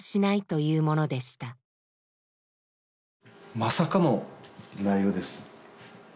まさかの内容です。